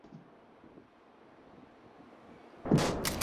Rzii a wowi ŋmana èhvrozi ya gbèe, a e kɛ liwɔ̀,.